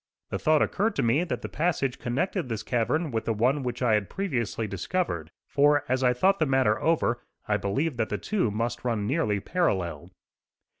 The thought occurred to me that the passage connected this cavern with the one which I had previously discovered; for, as I thought the matter over, I believed that the two must run nearly parallel.